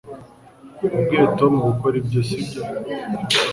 Wabwiye Tom gukora ibyo sibyo